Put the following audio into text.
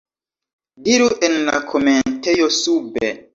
Diru en la komentejo sube.